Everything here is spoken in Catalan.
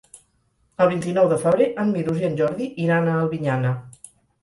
El vint-i-nou de febrer en Milos i en Jordi iran a Albinyana.